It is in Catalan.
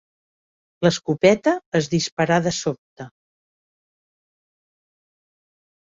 L'escopeta es disparà de sobte.